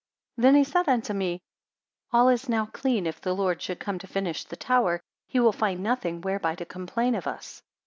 90 Then he said unto me, All is now clean if the Lord should come to finish the tower, he will find nothing whereby to complain of us.